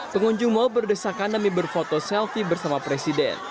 pengunjung mall berdesakan demi berfoto selfie bersama presiden